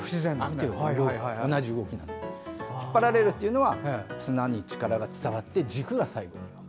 引っ張られるというのは綱に力が伝わって軸が最後に動く。